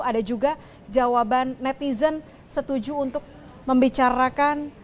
ada juga jawaban netizen setuju untuk membicarakan